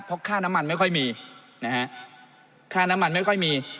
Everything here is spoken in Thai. เพราะค่าน้ำมันไม่ค่อยมีนะฮะค่าน้ำมันไม่ค่อยมี